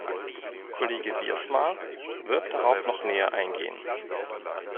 Kollege Wiersma wird darauf noch näher eingehen.